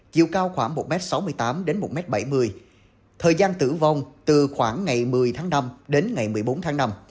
chiều cao khoảng một m sáu mươi tám một m bảy mươi thời gian tử vong từ khoảng ngày một mươi tháng năm đến ngày một mươi bốn tháng năm